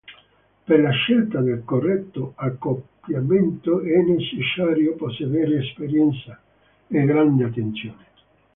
Per la scelta del corretto accoppiamento è necessario possedere esperienza e grande attenzione.